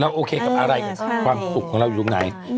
โอเคกับอะไรความสุขของเราอยู่ตรงไหน